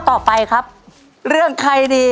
ใช่นักร้องบ้านนอก